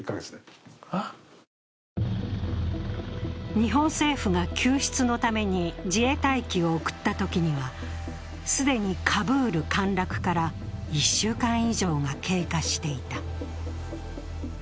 日本政府が救出のために自衛隊機を送ったときには既にカブール陥落から１週間以上が経過していた。